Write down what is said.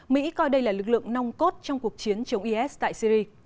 mỹ coi đây là lực lượng nong cốt trong cuộc chiến chống is tại syri